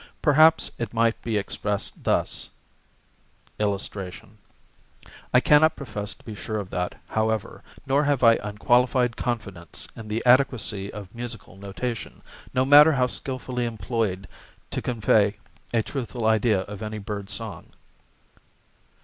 Perhaps it might be expressed thus: I cannot profess to be sure of that, however, nor have I unqualified confidence in the adequacy of musical notation, no matter how skillfully employed, to convey a truthful idea of any bird song.